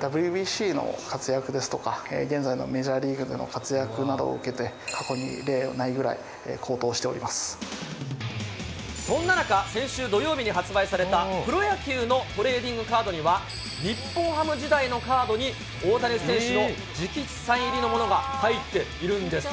ＷＢＣの活躍ですとか、現在のメジャーリーグでの活躍などを受けて、過去に例のないぐらそんな中、先週土曜日に発売された、プロ野球のトレーディングカードには、日本ハム時代のカードに、大谷選手の直筆サイン入りのものが入っているんです。